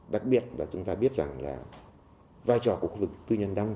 đặc biệt là chúng ta biết rằng vai trò của khu vực tư nhân năng